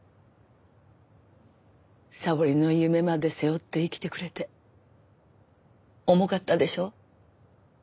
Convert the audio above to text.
沙織の夢まで背負って生きてくれて重かったでしょ？